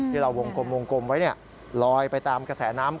ที่เราวงกลมไว้นี่ลอยไปตามกระแสน้ำ